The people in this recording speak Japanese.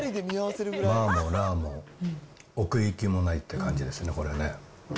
マーもラーも奥行きもないって感じですね、これね。